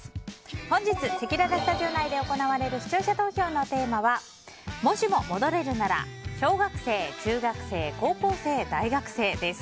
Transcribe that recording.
本日、せきららスタジオ内で行われる視聴者投票のテーマはもしも戻れるなら小学生・中学生・高校生・大学生です。